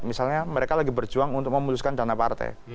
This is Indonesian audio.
misalnya mereka lagi berjuang untuk memutuskan dana partai